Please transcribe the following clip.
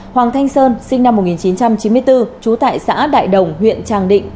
hoàng thanh sơn sinh năm một nghìn chín trăm chín mươi bốn trú tại xã đại đồng huyện tràng định